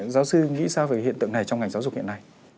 giáo sư nghĩ sao về hiện tượng này trong ngành giáo dục hiện nay